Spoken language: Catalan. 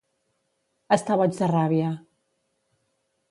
Està boig de ràbia.